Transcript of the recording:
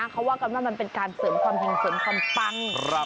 เขาว่ากันว่ามันเป็นการเสริมความเห็งเสริมความปัง